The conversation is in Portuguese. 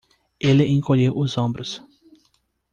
Ele encolheu os ombros.